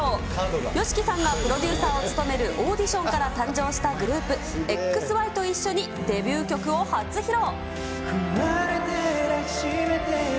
ＹＯＳＨＩＫＩさんがプロデューサーを務めるオーディションから誕生したグループ、ＸＹと一緒にデビュー曲を初披露。